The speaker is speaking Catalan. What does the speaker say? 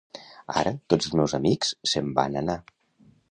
Ara, tots els meus amics se'n van anar